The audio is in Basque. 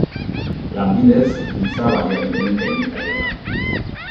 Lanbidez giza baliabideen teknikaria da.